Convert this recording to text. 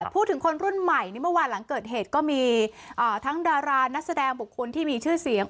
พูดถึงคนรุ่นใหม่เมื่อวานหลังเกิดเหตุก็มีทั้งดารานักแสดงบุคคลที่มีชื่อเสียง